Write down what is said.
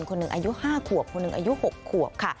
คนหนึ่งอายุ๕ขวบคนหนึ่งอายุ๖ขวบค่ะ